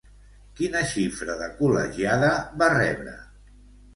Quina xifra de col·legiada va rebre?